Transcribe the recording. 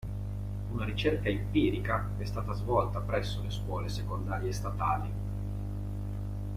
Una ricerca empirica è stata svolta presso le scuole secondarie statali.